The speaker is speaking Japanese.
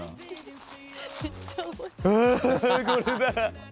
あこれだ！